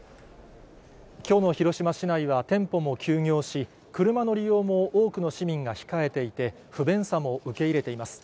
きょうの広島市内は店舗も休業し、車の利用も多くの市民が控えていて、不便さも受け入れています。